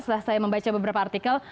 setelah saya membaca beberapa artikel